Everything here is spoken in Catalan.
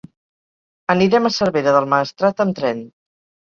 Anirem a Cervera del Maestrat amb tren.